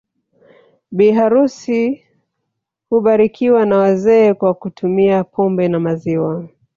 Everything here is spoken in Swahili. Bi harusi hubarikiwa na wazee kwa kutumia pombe na maziwa